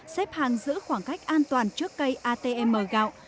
xếp hàng giữ khoảng cách an toàn trước cây atm gạo